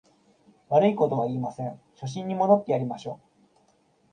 悪いことは言いません、初心に戻ってやりましょう